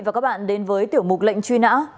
và các bạn đến với tiểu mục lệnh truy nã